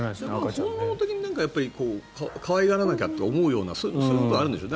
本能的に可愛がらなきゃと思うようなのがあるんでしょうね。